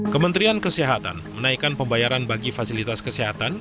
kementerian kesehatan menaikkan pembayaran bagi fasilitas kesehatan